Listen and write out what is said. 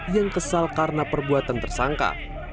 yang kesal karena perbuatan tersangka